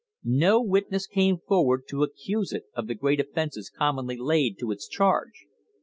No witness came forward to accuse it of the great offences commonly laid to its charge.